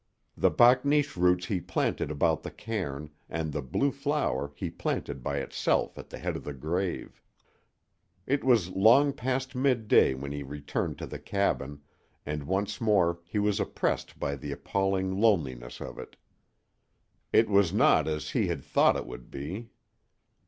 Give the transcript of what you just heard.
The bakneesh roots he planted about the cairn, and the blue flower he planted by itself at the head of the grave. It was long past midday when he returned to the cabin, and once more he was oppressed by the appalling loneliness of it. It was not as he had thought it would be.